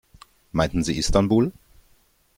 Meinten Sie Istanbul?